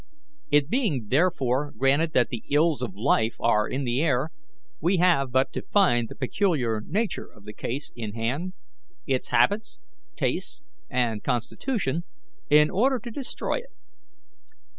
It being, therefore, granted that the ills of life are in the air, we have but to find the peculiar nature of the case in hand, its habits, tastes, and constitution, in order to destroy it.